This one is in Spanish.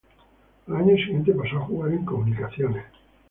Al año siguiente pasó a jugar en Comunicaciones.